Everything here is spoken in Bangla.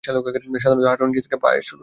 সাধারণত হাঁটুর নিচ থেকে পা এর শুরু।